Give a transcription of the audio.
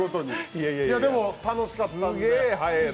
でも楽しかったです。